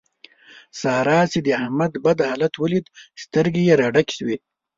سارا چې د احمد بد حالت وليد؛ سترګې يې را ډکې شوې.